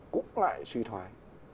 cũng lại suy thoái